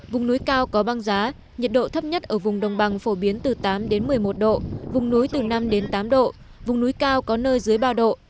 vùng núi cao có băng giá nhiệt độ thấp nhất ở vùng đồng bằng phổ biến từ tám đến một mươi một độ vùng núi từ năm tám độ vùng núi cao có nơi dưới ba độ